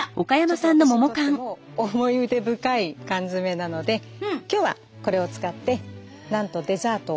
ちょっと私にとっても思い出深い缶詰なので今日はこれを使ってなんとデザートを。